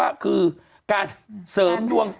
ว่าการเสริมดวง